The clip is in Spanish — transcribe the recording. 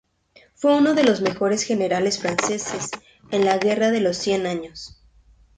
Fue uno de los mejores generales franceses de la guerra de los Cien Años.